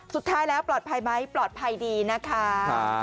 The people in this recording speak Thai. สุดท้ายแล้วปลอดภัยไหมปลอดภัยดีนะคะ